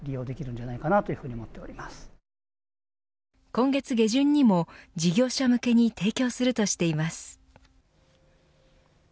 今月下旬にも事業者向けに提供するとしています。